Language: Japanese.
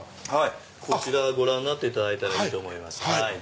こちらご覧になっていただいたらいいと思います。